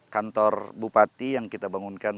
kantor bupati yang kita bangunkan